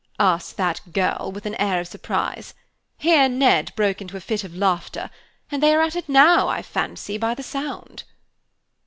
asked that girl, with an air of surprise. Here Ned broke into a fit of laughter, and they are at it now, I fancy, by the sound."